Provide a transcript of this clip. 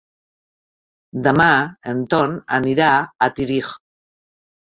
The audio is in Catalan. Demà en Ton anirà a Tírig.